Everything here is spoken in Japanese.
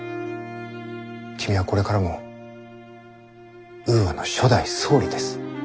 君はこれからもウーアの初代総理です。